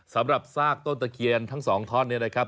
สำหรับซากต้นตะเคียนทั้งสองท่อนเนี่ยนะครับ